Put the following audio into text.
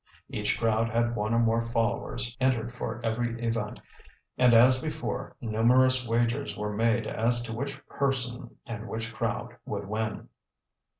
Each crowd had one or more followers entered for every event and, as before, numerous wagers were made as to which person and which crowd would win.